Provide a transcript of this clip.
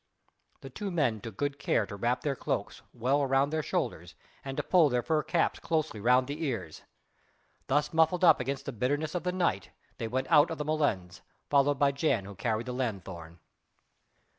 The two men took good care to wrap their cloaks well round their shoulders and to pull their fur caps closely round their ears. Thus muffled up against the bitterness of the night, they went out of the molens, followed by Jan, who carried the lanthorn.